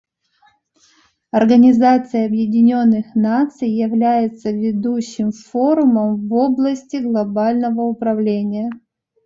Организация Объединенных Наций является ведущим форумом в области глобального управления.